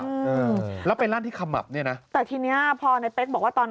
จริงหรือเปล่าอืมแล้วเป็นร่านที่ขมับเนี้ยนะแต่ทีเนี้ยพอนายเป๊กบอกว่าตอน